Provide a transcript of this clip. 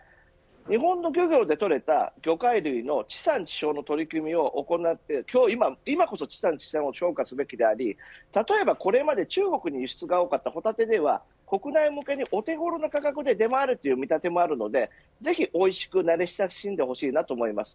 日本の漁業で取れた魚介類の地産地消の取り組みを行って今こそ地産地消を強化すべきであり例えばこれまで中国に輸出が多かったホタテでは国内向けに、お手頃な価格で出回るという見立てもあるのでぜひおいしく慣れ親しんでほしいなと思います。